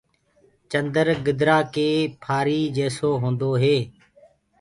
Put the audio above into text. چندر گدرآ ڪي ڦآري جيسو هوندو هي